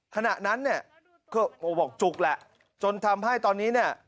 ขณะนั้นเนี่ยก็บอกจุกแหละจนทำให้ตอนนี้เนี่ย